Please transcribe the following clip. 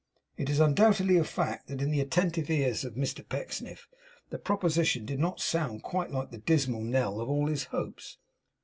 It is undoubtedly a fact that in the attentive ears of Mr Pecksniff, the proposition did not sound quite like the dismal knell of all his hopes.